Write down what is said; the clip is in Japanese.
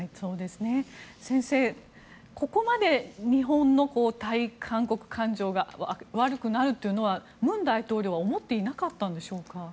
先生、ここまで日本の対韓国感情が悪くなるというのは、文大統領は思っていなかったんでしょうか？